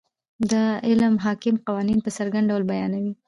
دا علم حاکم قوانین په څرګند ډول بیانوي.